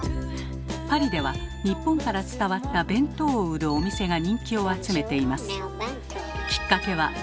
パリでは日本から伝わった「ベントー」を売るお店が人気を集めています。